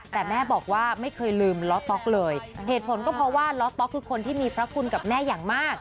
แต่แม่บอกว่าไม่เคยลืมล้อต๊อกเลยเหตุผลก็เพราะว่าล้อต๊อกคือคนที่มีพระคุณกับแม่อย่างมาก